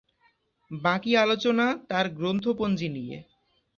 বাকী আলোচনা তার গ্রন্থপঞ্জি নিয়ে।